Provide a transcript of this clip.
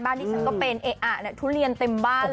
บ้านที่ฉันก็เป็นทุเรียนเต็มบ้านเลย